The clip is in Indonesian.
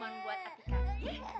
enggak ah artika balik dulu